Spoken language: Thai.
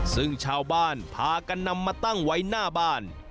ซึ่งชาวบ้านพากันนำมาตั้งไว้หน้าบ้าน